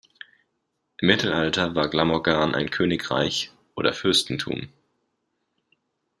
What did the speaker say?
Im Mittelalter war Glamorgan ein Königreich oder Fürstentum.